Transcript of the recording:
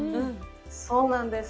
そうなんです。